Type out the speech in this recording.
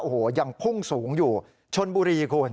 โอ้โหยังพุ่งสูงอยู่ชนบุรีคุณ